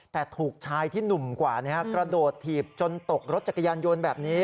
แต่ถูกชายที่หนุ่มกว่ากระโดดถีบจนตกรถจักรยานยนต์แบบนี้